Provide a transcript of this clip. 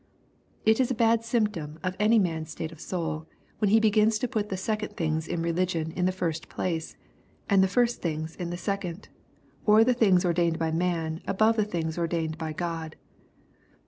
It is a bad symptom of any man's state of soul, when he begins to put the second things in religion in the first place, and the first things in the second, or the things ordained by man above the things ordained by God.